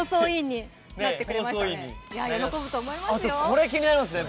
これも気になりますね。